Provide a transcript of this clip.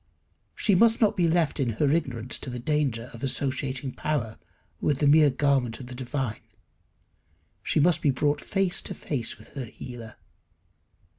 She must not be left in her ignorance to the danger of associating power with the mere garment of the divine. She must be brought face to face with her healer.